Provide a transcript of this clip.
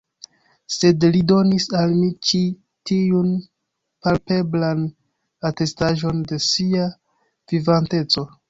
Sed li donis al mi ĉi tiun palpeblan atestaĵon de sia vivanteco.